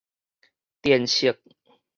靛色